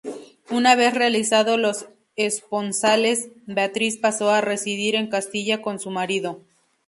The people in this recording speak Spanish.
Una vez realizado los esponsales, Beatriz pasó a residir en Castilla con su marido.